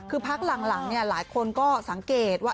คือพักหลังหลายคนก็สังเกตว่า